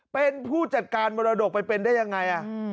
เป็นผู้จัดการมรดกไปเป็นได้ยังไง